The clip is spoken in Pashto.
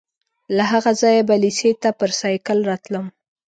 له هغه ځایه به لېسې ته پر سایکل راتلم.